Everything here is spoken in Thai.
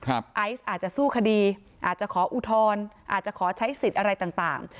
ไอซ์อาจจะสู้คดีอาจจะขออุทธรณ์อาจจะขอใช้สิทธิ์อะไรต่าง